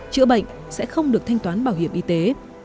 chữa bệnh sẽ không được thanh toán bảo hiểm y tế